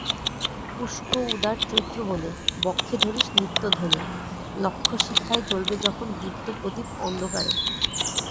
পুষ্প-উদার চৈত্রবনে বক্ষে ধরিস নিত্যধনে লক্ষ শিখায় জ্বলবে যখন দীপ্ত প্রদীপ অন্ধকারে।